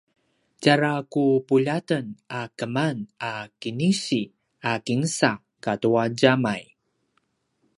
tjara ku puljaten a keman a kinisi a kinsa katua djamay